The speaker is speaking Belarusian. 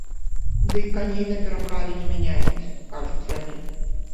Дый каней не пераправе не мяняюць, кажуць яны.